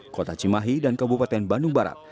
kota cimahi dan kabupaten bandung barat